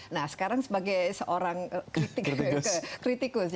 nah sekarang sebagai seorang kritikus